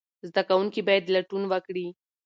زده کوونکي باید لټون وکړي.